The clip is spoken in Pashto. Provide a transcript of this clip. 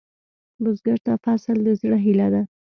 بزګر ته فصل د زړۀ هيله ده